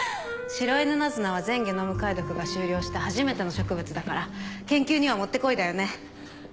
シロイヌナズナは全ゲノム解読が終了した初めての植物だから研究にはもってこいだよね。